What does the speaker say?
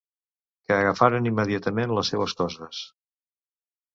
Que agafaren immediatament les seues coses.